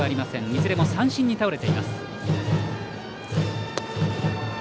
いずれも三振に倒れています。